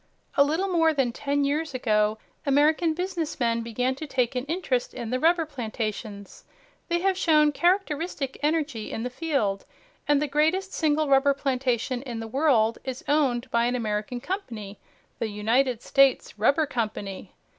A little more than ten years ago American business men began to take an interest in the rubber plantations. They have shown characteristic energy in the field, and the greatest single rubber plantation in the world is owned by an American company, the United States Rubber Company.